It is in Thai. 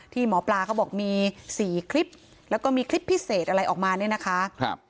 ที่หมอปลาเขาบอกมี๔คลิปแล้วก็มีคลิปพิเศษอะไรออกมาเนี่ยนะคะ